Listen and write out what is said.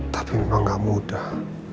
tapi memang gak mudah